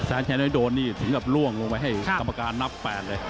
แสนชัยน้อยโดนนี่ถึงกับล่วงลงไปให้กรรมการนับ๘เลย